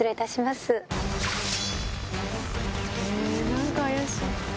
何か怪しい。